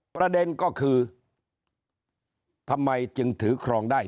ประเด็นก็คือทำไมจึงถือครองได้